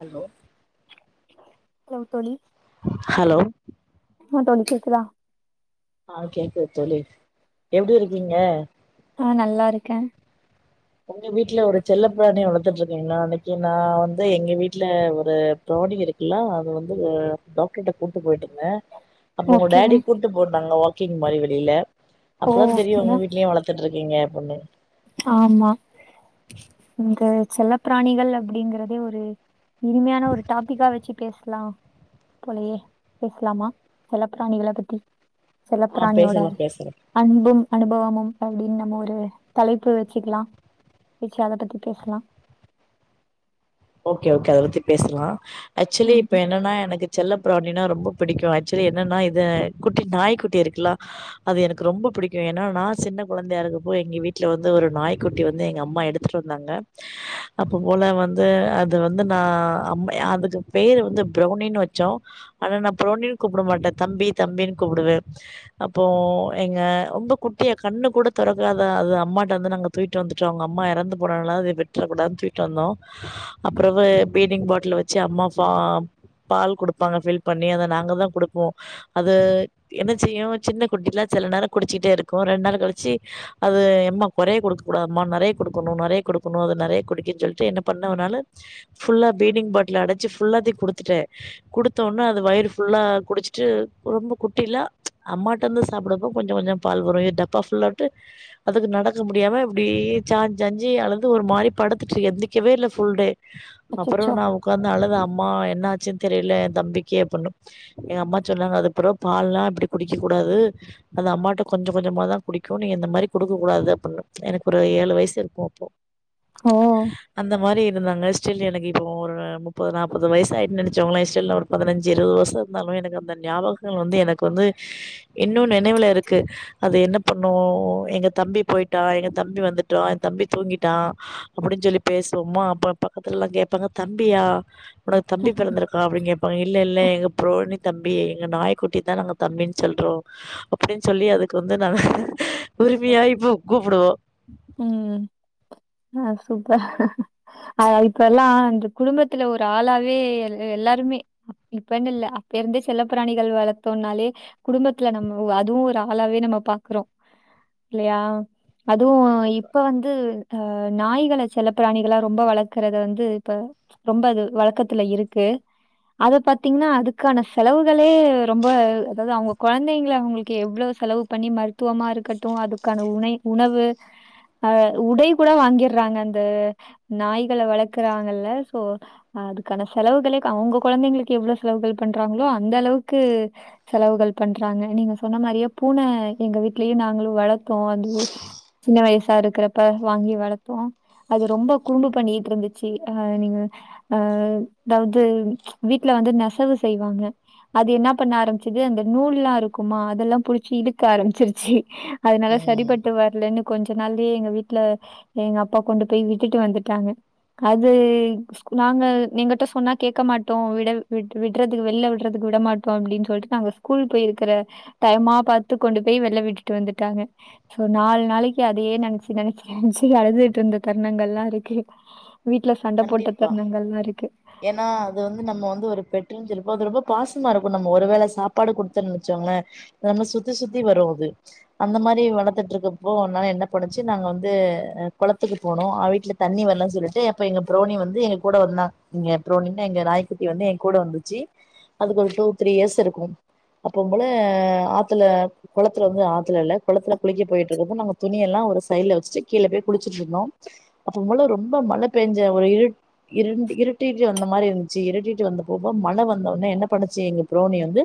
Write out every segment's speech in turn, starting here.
Hello hello தோழி hello ஆ தோழி கேக்குதா ஆ கேக்குது தோழி எப்டி இருக்கீங்க ஆ நல்லா இருக்க உங்க வீட்டுல ஒரு செல்ல பிராணிய வளத்துட்டு இருக்கீங்களா அன்னிக்கு நா வந்து எங்க வீட்ல ஒரு பிராணி இருக்கு இல்ல அது வந்து டாக்டர்ட்ட கூட்டு போய்ட்ருந்த அப்ப உங்க ஓகே டாடி கூட்டு போய் இருந்தாங்க வாக்கிங் மாரி வெளியில ஓ அப்பதா தெரியு ஓகே உங்க வீட்லயு வளத் த்துட்டு இருக்கீங்க அப்டின்னு ஆமா இங்க செல்ல பிராணிகள் அப்டிங்குறதே ஒரு இனிமையான ஒரு டாபிக்கா வச்சு பேசுலா போலயே பேசுலாமா செல்ல பிராணிகள பத்தி செல்ல ஆ பிராணியோட பேசலா பேசலா அன்பு அனுபவமு அப்டின்னு நம்ம ஒரு தலைப்பு வச்சுக்குலா வச்சு அத பத்தி பேசலா ஓகே ஓகே அத பத்தி பேசலா ஆக்சுலி இப்ப ஆமா என்னெனா எனக்கு செல்ல பிராணினா ரொம்ப பிடிக்கும் ஆக்சுலி என்னெனா இது குட்டி நாய்க் குட்டி இருக்குலா அது எனக்கு ரொம்போ பிடிக்கும் ஏன்னா நா சின்ன குழந்தையா இருக்கப்போ எங்க வீட்ல வந்து ஒரு நாய்க் குட்டி வந்து எங்க அம்மா எடுத்து வந்தாங்க அப்ப போல வந்து அது வந்து நா அம் அதுக்கு பேரு வந்து பிரௌனினு வச்சோ ஆனா நா பரளெனின்னு கூப்ட மாட்ட தம்பி தம்பின்னு கூப்புடுவ அப்போ எங்க ரொம்ப குட்டியா கண்ணு கூட தொறக்காத அது அம்மாட்ட வந்து நாங்க தூகிட்டு வந்துட்டோ அவுங்க அம்மா இறந்து போனனால அத விட்ற கூடாதுனு தூகிட்டு வந்தோ அப்பறவ பீடிங் பாட்ல வச்சு அம்மா பா பால் குடுப்பாங்க ஃபில் பண்ணி அத நாங்க தா குடுப்போ அது என்ன செய்யு சின்ன குட்டில செல நேர குடிச்சிட்டே இருக்கு ரெண்ட் நாள் கழிச்சி அது எம்மா கொறைய குடுக்க கூடாதம்மா நெறைய குடுக்குணு நெறைய குடுக்குணு அது நெறைய குடிக்க சொல்ட்டு என்ன பண்ணவனால ஃபுல்லா பீடீங் பாட்டில்ல அடச்சு ஃபுல்லாத்தையு குடுத்துட்ட குடுத்தோன அது வயிறு ஃபுல்லா குடிச்சிட்டு ரொம்ப குட்டில்லா அம்மாட்ட வந்து சாப்புடப்போ கொஞ்சோ கொஞ்சோ பால் வரு டப்பா ஃபுல்லாட்டு அதுக்கு நடக்க முடியாம இப்படி சாஞ்சு சாஞ்சு அழுது ஒரு மாரி படுத்துட்டு எந்திக் க்கவே இல்ல ஃபுல் டே அப்றோ அச்சச்சோ நா ஒக்காந்து அழுத அம்மா என்னாச்சுன் தெரியல எ தம்பிக்கி அப்புட்ணு எங்க அம்மா சொன்னாங்க அதுப்றோ பால்லா இப்டி குடிக்கக் கூடாது அது அம்மாட்ட கொஞ்ச கொஞ்சமாதா குடிக்கு நீ இந்த மாரி குடுக்கக் கூடாது அப்டின்னு எனக்கு ஒரு ஏழு வயசு இருக்கு அப்போ ஆ அந்த மாரி இருந்தாங்க ஸ்டில் எனக்கு இப்போ ஒரு முப்பது நாப்பது வயசு ஆயிட்டுன் நெனைச்சோங்களே ஸ்டில் ஒரு பதினஞ்சு இருவது வர்ஷ இருந்தாலு எனக்கு அந்த ஞாபக வந்து எனக்கு வந்து இன்னு நெனைவுல இருக்கு அது என்ன பண்ணு எங்க தம்பி போயிட்டா எங்க தம்பி வந்துட்டா எ தம்பி தூங்கிட்டா அப்டின் சொல்லி பேசுவோமா அப்ப பக்கத்துலலா கேப்பாங்க தம்பியா உனக்கு தம்பி பெறந்திருக் கா அப்டின் கேப்பாங்க இல்ல இல்ல எங்க ப்ரௌனி தம்பி எங்க நாய்க்குட்டிய தா நாங்க தம்பின் சொல்றோ அப்டின் சொல்லி அதுக்கு வந்து நாங்க உரிமையா இப்ப கூப்புடுவோ ம் ஆ சூப்பர் அத இப்பெல்லா அந்த குடும்பத்துல ஒரு ஆளாவே எல் எல்லாருமே இப்பன்னு இல்ல அப்ப இருந்தே செல்ல பிராணிகள் வளத்தோம்னாலே குடும்பத்துல நம்ம அதுவு ஒரு ஆளாவே நம்ம பாக்குறோ இல்லையா அதுவு அ கண்டிப்பா இப்ப வந்து அ நாய்கள செல்ல பிராணிகலா ரொம்ப வளக்குறத வந்து இப்ப ரொம்ப அது வழக்கத்துல இருக்கு அத பாத்தீங்னா அதுக்கான செலவுகளே ரொம்ப அதாவ்து அவுங்க கொழந்தைங்கள அவுங்குளுக்கு எவ்ளோ செலவு பண்ணி மருத்துவமா இருக்கட்டு அதுக்கான உணை உணவு அ உடை கூட வாங்கிர்றாங்க அந்த நாய்கள வளக்குறாங்கல்ல சோ அ அதுக்கான செலவுகளே க அவ்ங்க கொழந்தைங்களுக்கு எவ்ளோ செலவுகள் பண்றாங்களோ அந்த அளவுக்கு செலவுகள் பண்றாங்க நீங்க சொன்ன மாரியே பூன எங்க வீட்லயு நாங்களு வளத் த்தோ அது சின்ன வயசு தா இருக்குறப்ப வாங்கி வளத்தோ அது ரொம்ப குரும்பு பண்ணிட்ருந்துச்சு அ நீங்க அ அதாவ்து வீட்ல வந்து நெசவு செய்வாங்க அது என்னா பண்ண ஆரம்மிச்சது அந்த நூல்லா இருக்குமா அதெல்லா புடிச்சு இழுக்க ஆரம்மிச்சிருச்சு அதனால சரிபட்டு வர்லனு இதுனாலே எங்க வீட்ல எங்க அப்பா கொண்டு போய் விட்டுட்டு வந்துட்டாங்க அது நாங்கள் எங்கட்ட சொன்னா கேக்க மாட்டோ விட விட் விட்றதுக்கு வெளில விடுறதுக்கு விட மாட்டோ அப்டின் சொல்லிட்டு நாங்க ஸ்கூல் போயிருக்குற டைமா பாத்து கொண்டு போய் வெளில விட்டுட்டு வந்துட்டாங்க சோ நாலு நாளைக்கு அதையே நெனச்சு நெனச்சு நெனச்சு அழுதுகிட்ருந்த தருணங்கலா இருக்கு வீட்ல சண்ட போட்ட தருணங்கள்லா இருக்கு ஏனா அது வந்து நம்ம வந்து ஒரு பெட்டு செல்லிப்போ அது ரொம்ப பாசமா இருக்கு நம்ம ஒரு வேள சாப்பாடு குடுத்தன் வச்சோங்களே நம்ம சுத்தி சுத்தி வரு அது அந்த மாரி வளத்துட்ருக்கப்போ ஒரு நாள் என்ன பண்ணுச்சு நாங்க வந்து அ குளத்துக்கு போனோ ஆ வீட்ல தண்ணி வர்லன் சொல்லிட்டு அப்ப எங்க ப்ரௌனி வந்து எங்க கூட வந்தா எங்க ப்ரௌனினா எங்க நாய்க்குட்டி வந்து எ கூட வந்துச்சு அதுக்கு ஒரு டூ த்ரீ இயர்ஸ் இருக்கு அப்பம் போல ஆத்துல கொளத்துல வந்து ஆத்துல இல்ல கொளத்துல குளிக்க போயிட்ருக்கப்போ நாங்க துணியெல்லா ஒரு சைட்ல வெச்சுட்டு கீழ போய் குளிச்சுட்ருந்தோ அப்பம் போல ரொம்ப மழ பெஞ்ச ஒரு இருட் இருண்டு இருட்டிட்டு வந்த மாரி இருந்துச்சு இருட்டிட்டு வந்த போதுதா மழ வந்த ஒட்னே என்ன பண்ணுச்சு எங்க ப்ரௌனி வந்து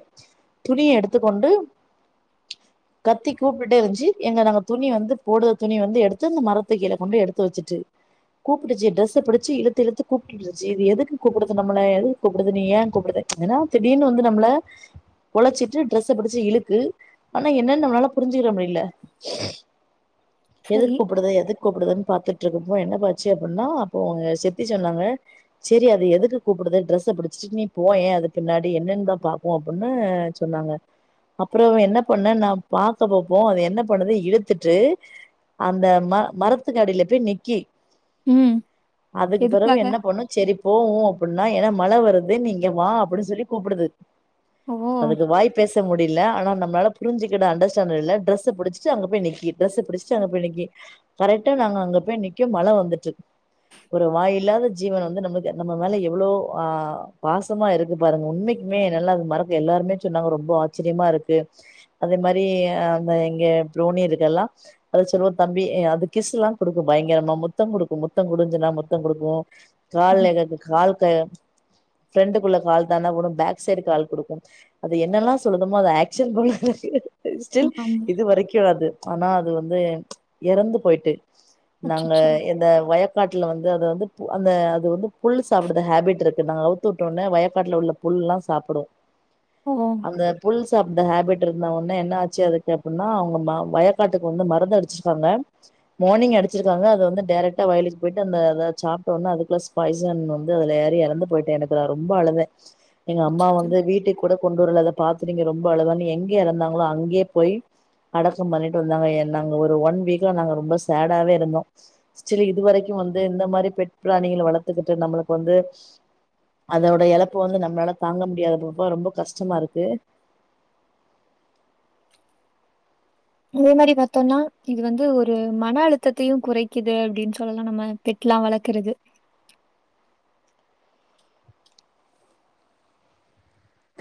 துணிய எடுத்து கொண்டு கத்தி கூப்பிட்டே இருந்துச்சு எங்க நாங்க துணி வந்து போடுத துணி வந்து எடுத்து அந்த மரத்து கீழ கொண்டு போய் எடுத்து வச்சுட்டு புடிச்சு ட்ரெஸ்ச புடிச்சு இழுத்து இழுத்து கூப்ட்டு இந்த ஜீவி எதுக்கு கூப்பிடுது நம்மள எதுக்கு கூப்பிடுது நீ ஏன் கூப்பிடுது என்னா திடீர்னு வந்து நம்மள ஒழச்சிட்டு டிரரெஸ்ஸ பிடிச்சு இழுக்கு ஆனா என்னன்னு நம்மளால புரிஞ்சுக்குற முடியல எதுக்கு சரி. கூப்பிடுது எதுக்கு கூப்பிடுதுன்னு பாத்துட்டு இருப்போ என்னபா ஆச்சு அப்டின்னா அப்போ அவுங்க சித்தி சொன்னாங்க சரி அது எதுக்கு கூப்பிடுது ட்ரெஸ பிடிச்சிட்டு நீ போயன் அது பின்னடி என்னன்ன தா பா ப்போ அப்டின்னு சொன்னாங்க அப்புறம் என்ன பண்ண நா பாக்க போப்போ அது என்ன பண்ணது இழுத்துட்டு அந்த ம மரத்துக்கடியில போய் நிக்கி ம் அதுக்கு பிறவு எதுக்காக? என்ன பண்ணு சரி போவு அப்டின்னா ஏன்னா மழை வருது நீ இங்க வா அப்டின்னு சொல்லி கூப்பிடுது ஓ! அதுக்கு வாய்ப்பு பேச முடியல ஆனா நம்மளால புரிஞ்சுகிட அண்டர்ஸ்டாண்டில்ல டிரஸ் புடிச்சட்டு அங்க போய் நிக்கி ட்ரெஸ புடிச்சட்டு அங்க போய் நிக்கி கரெக்டா நாங்க அங்க போய் நிக்க மழ வந்துட்டு ஒரு வாய் இல்லாத ஜீவன் வந்து நம்ம நம்ம மேல எவ்வளவு அ பாசமா இருக்கு பாருங்க உண்மைக்குமே நல்லா அது மறக்க எல்லாருமே சொன்னாங்க ரொம்ப ஆச்சரியமா இருக்கு அதே மாரி அ அந்த எங்க புரோணி இருக்க எல்லா அத சொல்லவ தம்பி அது கிஸ் எல்லா குடுக்கு பயங்கரமா முத்தம் குடுக்கு மு முத்தோ குடுனு சொன்ன முத்த குடுக்கு கால்ல நெக கால்க ஃப்ரண்டண்டுக்குள்ள கால் தான தா போடு பேக் சைடு கால் கொடுக்கு அது என்னெல்லா சொல்லுதுமோ அதது ஆக்ஷன் போல ஸ்டில் ஆமா. இது வரைக்கு அது ஆனா அது வந்து எறந்து போயிட்டு நாங்க அச்சச்சோ! இந்த வய க்காட்டுல வந்து அதது வந்து அந்த அது வந்து புல்லு சாப்பிடுற ஹேபிட் இருக்கு நாங்க அவுத்து வுட்டோனே வயக்காட்டல உள்ள புல்லா சாப்பிடு ஓ! அந்த புல்ஸ் அந்த ஹேபிட் இருந்தா ஒன்னே என்ன ஆச்சு அதுக்கு அப்டின்னா அவங்க வயக்காட்டுக்கு வந்து மருந்து அடிச்சிருக்காங்க மார்னி்ங் அடிச்சிருக்காங்க அது வந்து டைரெட்ட வயலு போயிட்டு அந்த அத சாப்பிட்டோடனா அதுக்குள்ள ஸ்பாயசன் வந்து அதுல ஏறி எறந்து போயிட்டு எனக்கு ரொம்ப அழுதே எங்க அம்மா அச்சச்சோ! வந்து வீட்டுக்கு கூட கொண்டு வரல அத பாத்து நீங்க ரொம்ப அழவனு எங்க எறந்தாங்களோ அங்கேயே போய் அடக்கம் பண்ணிட்டு வந்தாங்க நாங்க ஒரு ஒன் வீக்கா நாங்க ரொம்ப சேடாவே இருந்தோ ஸ்டில் இதுவரைக்கு வந்து இந்த மாரி பெட் பிராணிகளை வளத்துக்கிட்டு நம்மளுக்கு வந்து அதோட எழப்பு வந்து நம்மளால தாங்க முடியாத போப்ப ரொம்ப கஷ்டமா இருக்கு அதே மாரி பாத்தோம்னா இது வந்து ஒரு மன அழுத்தத்தையு குறைக்குது அப்டின்னு சொல்லலா நம்ம பெட்லா வளக்கறது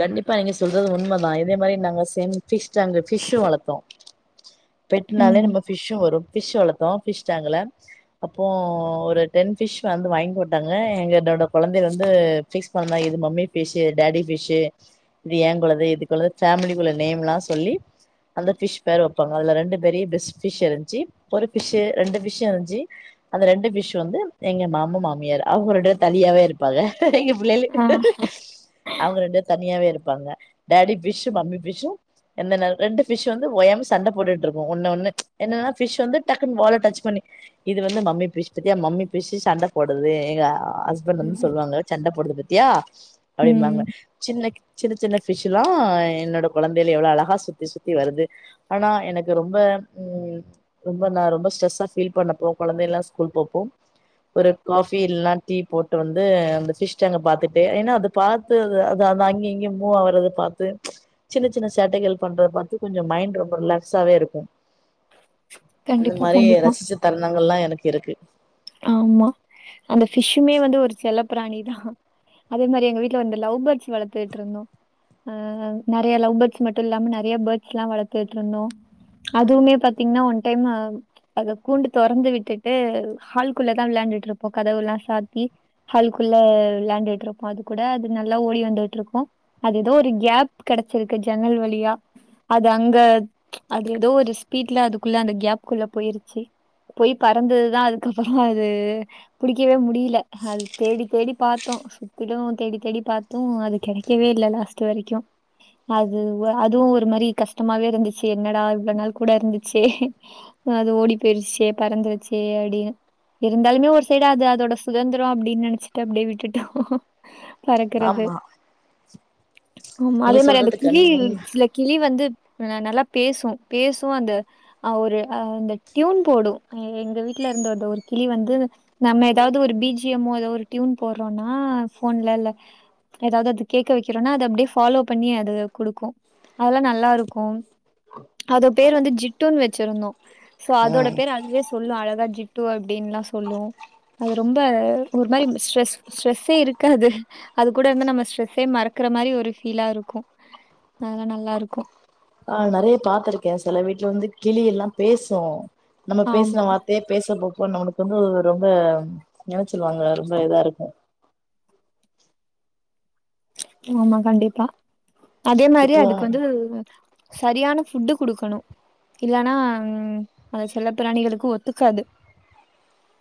கண்டிப்பா நீங்க சொல்றது உண்மதா இதே மாரி நாங்க செம் ஃபிஷ் டேங்க் வச்சு ஃபிஷ்ஸு வளத்தோ பெட்னாலே ம். நம்ம ஃபிஷ்ஸு வரு ஃபிஷ் வளத்தோ ஃபிஷ்டாங்க்ள அப்போ ஒரு டென் ஃபிஷ் வந்து வாங்கி போட்டாங்க எங்க என்னோட கொழந்தை வந்து ஃபிக்ஸ் பண்ணா இது மம்மி ஃபிஷ் இது டாடி ஃபிஷ் இது ஏ குள்ளது இதுகுள்ளது ஃபேமிலிக்குள்ள நேம்ல்லா சொல்லி அந்த ஃபிஷ் பேர் வப்பாங்க அதுல ரெண்டு பெரிய பெஸ்ட் ஃபிஷ் இருந்ச்சு ஒரு ஃபிஷ்ஷு ரெண்டு ஃபிஷ்ஷு இருஞ்சு அந்த ரெண்டு ஃபிஷ் வந்து எங்க மாம மாமியார் அவங்க ரெண்டு பேரு தனியாவே இருப்பாங்க பிள்ளைலு ஆ. அவங்க ரெண்டு பேரு தனியாவே இருப்பாங்க டாடி ஃபிஷ்ஷு மம்மி ஃபிஷ்ஷு எந்தனல் ரெண்டு ஃபிஷ் வந்து ஓயாம சண்ட போட்டுட்டுருக்கு ஒன்ன ஒன்னு என்னன்னா ஃபிஷ் வந்து டக்குன் வால டச் பண்ணி இது வந்து மம்மி ஃபிஷ் பாத்தியா மம்மி ஃபிஷ் சண்ட போடுதேங்கா ஹஸ்பண்ட் வந்து ம். சொல்லுவாங்க சண்ட போடுது பத்தியா ம். அப்டின்வாங்க சின்ன சின்ன சின்ன ஃபிஷ்ல்லா என்னோட கொழந்தைல எவ்ளோ அழகா சுத்தி சுத்தி வருது ஆனா எனக்கு ரொம்ப ம் ரொம்ப நா ரொம்ப ஸ்டரெஸ்ஸா ஃபீல் பண்ணப்போ கொழந்தைல்லா ஸ்கூல் போப்போ ஒரு காஃபி இல்லனா டீ போட்டு வந்து அந்த ஃபிஷ் டேங்க பாத்துட்டு ஏன்னா அத பாத்து அது தாதா அங்க இங்கயு மூவாவுரத பாத்து சின்ன சின்ன சேட்டைகள் பண்ற பாத்து கொஞ்சொ மைண்ட் ரொம்ப ரிலாக்ஸாவே இருக்கு அந்த கண்டிப்பா, மாரி கண்டிப்பா. ரசிச்ச தருணங்கல்லா எனக்கு இருக்கு ஆமா அந்த ஃபிஷ்ஷுமே வந்து ஒரு செல்ல பிராணிதா அதே மாரி எங்க வீட்ல வந்து லவ் பேட்ஸ் வளத்துட்டு இருந்தோ ஆ நெறய லவ் பேர்ட்ஸ் மட்டு இல்லாம நெறய பேர்ட்ஸ்ல்லா வளத்துட்டுருந்தோ அதுவுமே பாத்தீங்கன்னா ஒன் டைம் அத கூண்டு தொறந்து விட்டுட்டு ஹால்குள்ளதா விளாண்டுட் இருப்பா கதவெல்லா சாத்தி ஹால்குள்ள விளாண்டுட் இருப்பொ அது கூட அது நல்லா ஓடி வந்துட்டுருக்கு அது எதோ ஒரு கேப் கெடைச்சிருக்கு ஜன்னல் வழியா அது அங்க அது எதோ ஒரு ஸ்பீட்ல அதுக்குள்ள அந்த கேப்குல்ல போய்ருச்சு போய் பறந்ததுதா அதுக்கப்புறோ அது புடிக்கவே முடில அது தேடி தேடி பாத்தோ சுத்திலு தேடி தேடி பாத்து அது கெடைக்கவே இல்ல லாஸ்ட் வரைக்கு அதுவ அதுவு ஒரு மாரி கஷ்டமாவே இருந்துச்சு என்னடா இவ்ளோ நாள் கூட இருந்துச்சே அது ஓடி போயிருச்சே பறந்துருச்சே அப்டின்னு இருந்தாலுமே ஒரு சைடு அது அதோட சுதந்திரோ அப்டின்னு நெனைச்சிட்டு அப்டியே விட்டுட்டோ பறக்கறது ஆமா ஆமா நீங்க அதே மாரி அந்த சொல்றது கிளி கண் உண்ம இருஞ்சில கிளி வந்து நல்லா பேசு பேசும் அந்த அ ஒரு அ இந்த ட்யூன் போடு அ எங்க வீட்ல இருந்த அந்த ஒரு கிளி வந்து நம்ம எதாவ்து ஒரு பி ஜி எம் மோ எதோ ஒரு டியூன் போடுறோனா ஃபோன்லோள்ள எதாவ்து அது கேக்க வைக்கிறோனா அது அப்டியே ஃபாலோ பண்ணி அது குடுக்கு அதெல்லா நல்லா இருக்கு அதோ பேர் வந்து ஜிட்டுன் வச்சிருந்தோ சோ ஆ அதோட பேர் அதுவே சொல்லு அழகா ஜிட் டு அப்டின்லா சொல்லு அது ரொம்ப ஒரு மாரி ஸ்ட்ரெஸ் ஸ்ட்ரெஸ்ஸே இருக்காது அது கூட இருந்தா நம்ம ஸ்ட்ரெஸ்ஸே மறக்கற மாரி ஒரு ஃபீலா இருக்கு அதலா நல்லாருக்கு ஆ நெறய பாத்துருக்கே செல வீட்ல வந்து கிளி எல்லா பேசு நம்ம ஆமா, பேசுன வார் த்தயே பேச போ அப்ப நம்மளுக்கு வந்து ரொம்ப என்ன சொல்வாங்க ரொம்ப இதா இருக்கு ஆமா கண்டிப்பா அதே மாரி இப்போ அதுக்கு வந்து சரியான ஃபுட்டு குடுக்கணு இல்லன்னா ம் அது செல்ல பிராணிகளுக்கு ஒத்துக்காது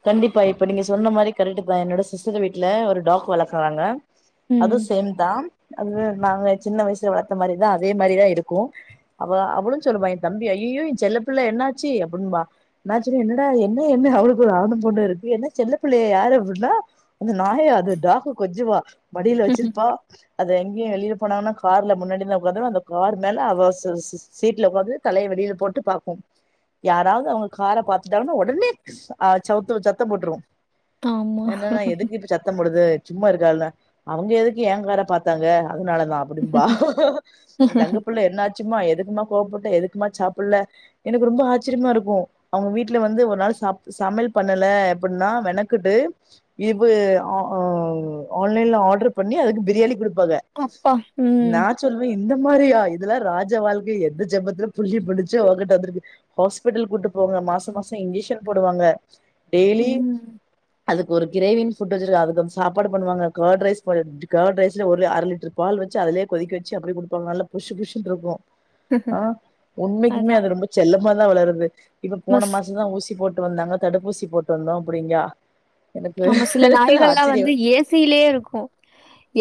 கண்டிப்பா இப்ப நீங்க சொன்ன மாரி கரெக்ட்தா என்னோட சிஸ்டர் வீட்ல ஒரு டாக் வளக்குறாங்க ம். அதுவ் சேம்தா அது நாங்க சின்ன வய்சுல வளத்த மாரிதா அதே மாரிதா இருக்கு அவ அவளுஞ் சொல்லுவா ஏந்தம்பி ஐயையோ ஏஞ்செல்ல புள்ள என்னாச்சி அபுன்பா நாஞ் சொல்வ என்னடா என்ன என்ன அவு ங்கொரு ஆணு பொண்ணு இருக்கு என்ன செல்லப் பிள்ளைய யாரு அப்புன்னா அந்த நாயா அது டாஃக்க கொஞ்சுவா மடில வச்சிருப்பா அத எங்கியு வெளில போனாங்கன்னா கார்ல முன்னாடிதா உக்காந்துரு அந்த கார் மேல அவ சுசுஸ் சீட்ல உக்காந்து தலைய வெளில போட்டு பாக்கு யாராவது அவுங்க கார பாத்துட்டாங்கனா ஒடனே ஆ ச்சவ்த்தோ சத்த போட்டுரு ஆமா. என்னனா எதுக்கு இப்ப ச்சத்தம் போடுது ச்சும்மா இருக்கால்னா அவுங்க எதுக்கு ஏங்கார பாத்தாங்க அதனாலதாப் அப்டிம்பா ஏந்தங்க பிள்ள என்னாச்சுமா எதுக்குமா கோவப்பட்ட எதுக்குமா சாசாப்புல்ல எனக்கு ரொம்ப ஆச்சரியமாருக்கு அவுங்க வீட்ல வந்து ஒரு நாள் சாப் சமைல் பண்ணல அப்பின்னா வெனக்குடு இபு அ அவ் ஆன்லைன்ல ஆட்ரு பண்ணி அதுக்கு பிரியாணி குடுப்பாங்க கொப்பா உம் ச்சொல்வே இந்த மாரியா இதலா ராஜ வாழ்க்க எந்த ஜெம்பத்துல புள்ளியம் பன்னுச்சோ ஒங்கிட்ட வந்த்ருக்கு ஹாஸ்பிட்டல் கூட்டு போங்க மாச மாசோ இன்கீஷன் போடுவாங்க டெய்லி ம். அதுக் ஒரு க்ரேவின் ஃபுட் வச்சிருக அது தம் சாப்பாடு பண்ணுவாங்க கட் ரைஸ் [unintelligible] கட் ரைஸ்ல ஒர்லே அர லிட்ரு பால் வச்சு அதுலயே கொதிக்க வச்சு அப்டே குடுப்பாங்க நல்ல புஷ்ஷு புஷ்ஷுன்ருக்கு ஆ உண்மைக்குமே அது அதான் ரொம்ப செல்லமாதா வளருது இப்ப போன மஸ் மாசன் தா ஊசி போட் டு வந்தாங்க தடுப்பூசி போட்டு வந்தோ அப்படிங்கா ஆமா சில நாய்கள்லா வந்து ஏ சி லே ருக்கு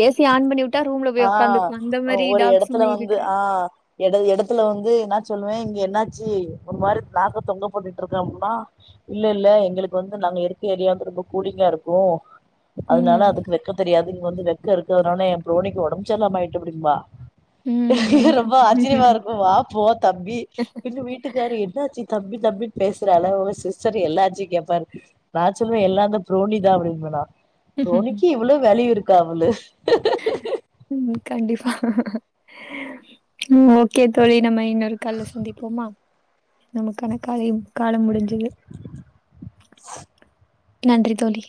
ஏ சி ஆன் பண்ணிவுட் டா ரூம்ல ஆ போய் உக்காந்துக்லா அந்த மாரி டாக்ஸுமே இருக்கு எடது எடத்துல வந்து நா ச்சொல்லுவே இங்க என்னாச்சி ஒரு மாரி நாக்க தொங்க போட்டுட்ருக்கே அப்புனா இல்லல்ல எங்களுக்கு வந்து நாங்க இருக்க ஏரியா வந்து ரொம்ப கூலிங்கா இருக்கு அதனால ம். அதுக்கு வெக்கத் தெரியாது இங் வந்து வெக்க இருக்குறனொனே எம் ப்ரோனிக்கு ஒடம்ச்செர்லாம ஆய்ட்டு அப்படிம்பா ம். ரொம்ப ஆச்சரியமா இருக்கு வா போ தம்பி எங்க வீட் ட்டுக்காரு என்னாச்சி தம்பி தம்பின் பேசுறால உங்க சிஸ்டர் எல்லாச்சி கேப்பாரு நா ச்சொல்வே எல்லா அந்த ப்ரோனிதா அப்டின்ப நா ப்ரோனிக்கி இவ்ளவ் வேல்யூ இருக்கா அவ்ளு உம் கண்டிப்பா ம் ஓகே தோழி நம்ம இன்னொரு கால்ல சந்திப்போமா நமக்கான காலையும் காலம் முடிஞ்சது நன்றி தோழி